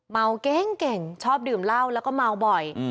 เมาเก่งชอบดื่มเหล้าแล้วก็เมาบ่อย